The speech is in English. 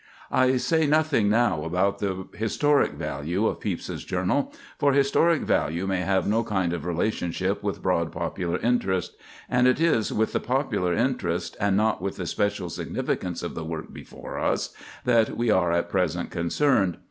I say nothing now about the historic value of Pepys's journal—for historic value may have no kind of relationship with broad popular interest; and it is with the popular interest, and not with the special significance of the work before us, that we are at present concerned.